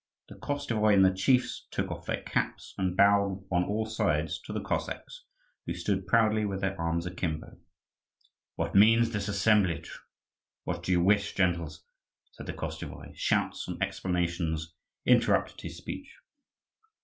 The Koschevoi and the chiefs took off their caps and bowed on all sides to the Cossacks, who stood proudly with their arms akimbo. "What means this assemblage? what do you wish, gentles?" said the Koschevoi. Shouts and exclamations interrupted his speech.